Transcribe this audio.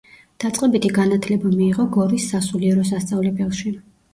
დაწყებითი განათლება მიიღო გორის სასულიერო სასწავლებელში.